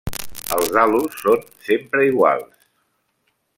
Els halos són sempre iguals.